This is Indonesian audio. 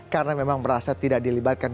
karena memang merasa tidak dilibatkan